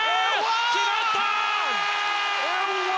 決まった！